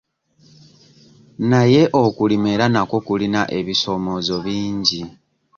Naye okulima era nakwo kulina ebisoomoozo bingi.